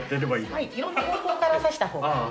いろんな方向から刺した方がいいです。